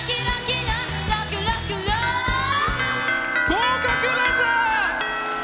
合格です！